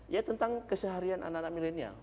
ya tentang keseharian anak anak milenial